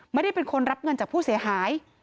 ไม่ได้เป็นคนรับเงินจากผู้เสียหาย